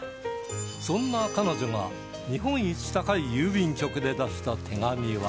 そんな彼女が日本一高い郵便局で出した手紙は？